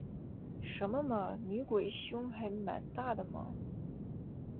什么嘛，女鬼胸还蛮大的嘛